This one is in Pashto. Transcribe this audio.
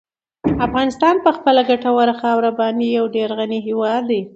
افغانستان په خپله ګټوره خاوره باندې یو ډېر غني هېواد دی.